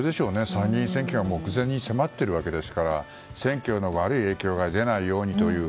参議院選挙が目前に迫っているわけですから選挙への悪い影響が出ないようにという。